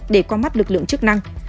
để qua mắt lực lượng chức năng